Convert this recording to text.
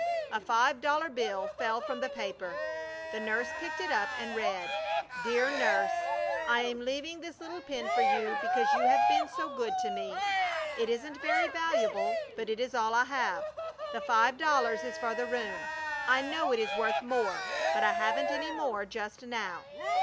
A five dollar bill fell from the paper. The nurse picked it up and read: DEAR NURSE, I am leaving this little pin for you because you have been so good to me. It isn't very valuable, but it is all I have. The five dollars is for the room. I know it is worth more, but I haven't any more just now.